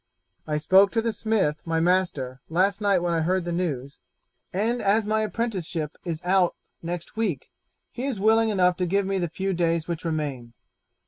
I spoke to the smith, my master, last night when I heard the news, and as my apprenticeship is out next week he was willing enough to give me the few days which remain.